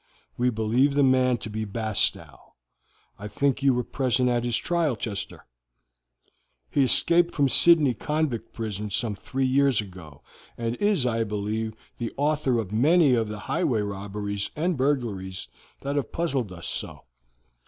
We believe the man to be Bastow. I think you were present at his trial, Chester; he escaped from Sydney Convict Prison some three years ago, and is, I believe, the author of many of the highway robberies and burglaries that have puzzled us so.